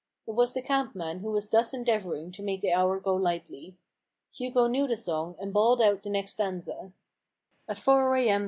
It was the cabman, who was thus endeavouring to make the hour go lightly. 172 A BOOK OF BARGAINS. Hugo knew the song, and bawled out the next stanza :— 14 At four a.m.